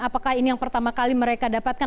apakah ini yang pertama kali mereka dapatkan